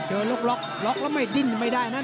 ล็อกล็อกแล้วไม่ดิ้นไม่ได้นะ